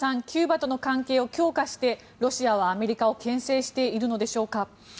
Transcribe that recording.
キューバとの関係を強化してロシアはアメリカをけん制しているのでしょうか？